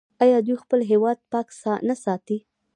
آیا دوی خپل هیواد پاک نه ساتي؟